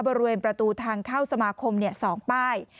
บริเวณประตูทางเข้าสมาคมเนี่ยสองป้าย